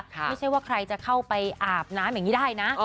ไม่ใช่ว่าใครจะเข้าไปอาบน้ำอย่างนี้ได้นะ